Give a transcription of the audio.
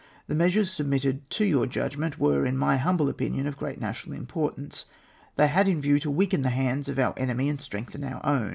The measures submitted to your judgment were, in my humble opinion, of great national importance. They had in view to weaken the hands of our enemy and strengthen our own.